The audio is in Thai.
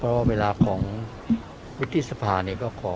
เพราะเวลาของวิทยุธิสภานของหนึ่งละครับ